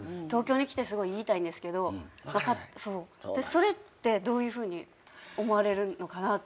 それってどういうふうに思われるのかなと。